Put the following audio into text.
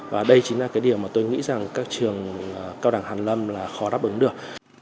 và đây chính là cái điều mà tôi nghĩ rằng các trường cao đẳng hàn lâm là khó đáp ứng được